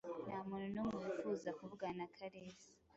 Ntamuntu numwe wifuza kuvugana na Kalisa.